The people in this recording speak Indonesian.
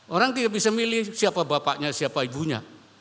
orang tidak bisa milih siapa bapaknya siapa ibunya